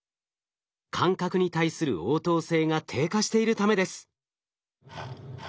感覚に対する応答性が低下しているためです。